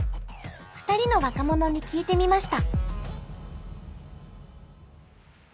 ２人の若者に聞いてみました。